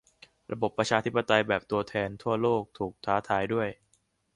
ระบบประชาธิปไตยแบบตัวแทนทั่วโลก ถูกท้าทายด้วย